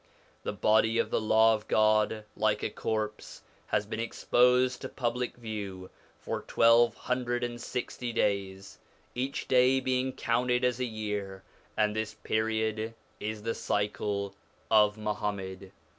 The body of the Law of God, like a corpse, has been exposed to public view for twelve hundred and sixty days, each day being counted as a year, and this period is the cycle of Muhammad.